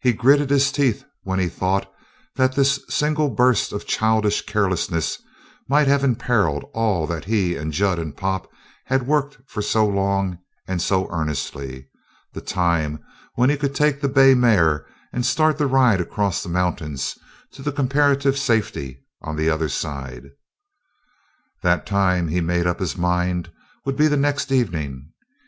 He gritted his teeth when he thought that this single burst of childish carelessness might have imperiled all that he and Jud and Pop had worked for so long and so earnestly the time when he could take the bay mare and start the ride across the mountains to the comparative safety on the other side. That time, he made up his mind, would be the next evening.